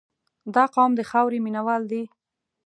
• دا قوم د خاورې مینه وال دي.